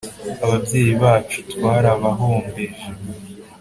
ababyeyi bacu, twarabahombeje